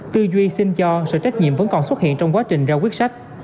tư duy xin cho sự trách nhiệm vẫn còn xuất hiện trong quá trình ra quyết sách